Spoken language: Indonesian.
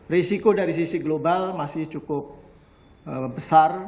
risiko dari sisi global masih cukup besar